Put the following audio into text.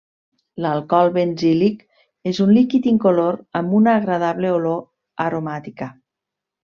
L'alcohol benzílic és un líquid incolor amb una agradable olor aromàtica.